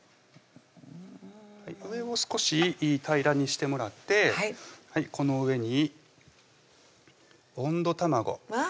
上を少し平らにしてもらってこの上に温度卵うわ